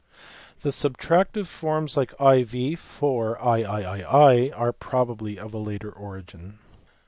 The Isubtractive forms like iv for mi are probably of a later origin.